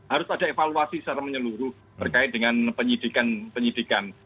harus ada evaluasi secara menyeluruh berkait dengan penyidikan penyidikan